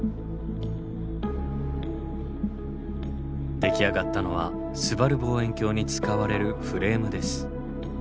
出来上がったのはすばる望遠鏡に使われるフレームです。